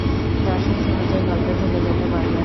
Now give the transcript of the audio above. দর্শক সহজেই গল্পে ঢুকে যেতে পারবেন।